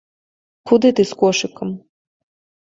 Куды ты з кошыкам?